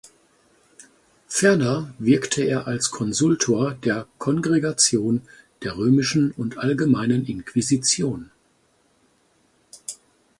Ferner wirkte er als Konsultor der Kongregation der römischen und allgemeinen Inquisition.